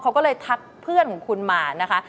เขาก็เลยทักเพื่อนของคุณมานะคะ